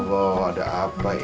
insya allah ada apa ini